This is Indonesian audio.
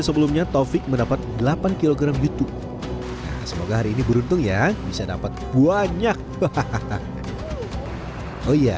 sebelumnya taufik mendapat delapan kg youtube semoga hari ini beruntung ya bisa dapat banyak hahaha oh iya